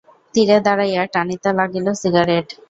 তীরে দাড়াইয়া টানিতে লাগিল সিগারেট।